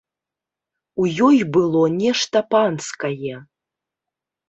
У ёй было нешта панскае.